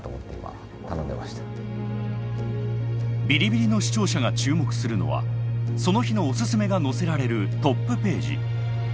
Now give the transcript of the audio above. ビリビリの視聴者が注目するのはその日のおすすめが載せられるトップページ。